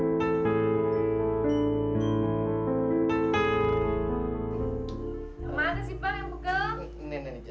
nah makasih bang yang buka